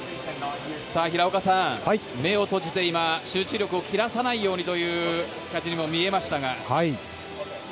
平岡さん、目を閉じて今、集中力を切らさないようにとも見えましたが。